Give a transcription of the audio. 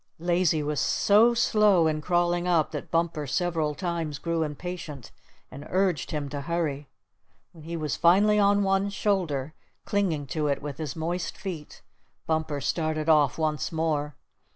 Lazy was so slow in crawling up that Bumper several times grew impatient and urged him to hurry. When he was finally on one shoulder, clinging to it with his moist feet, Bumper started off once more.